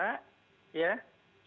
ya kami melihat tadi warga jakarta